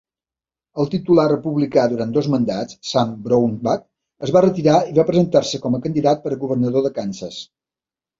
El titular republicà durant dos mandats, Sam Brownback, es va retirar i va presentar-se com a candidat per a governador de Kansas.